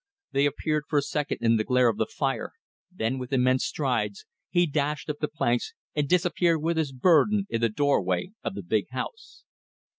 They appeared for a second in the glare of the fire, then, with immense strides, he dashed up the planks and disappeared with his burden in the doorway of the big house.